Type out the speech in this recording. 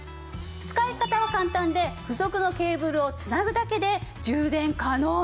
使い方は簡単で付属のケーブルを繋ぐだけで充電可能なんです。